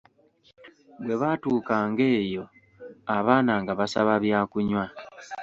Bwe baatuukanga eyo, abaana nga basaba byakunywa.